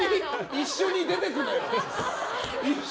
一緒に出てくなよ！